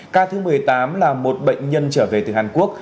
ca thứ một mươi tám là một bệnh nhân trở về từ hàn quốc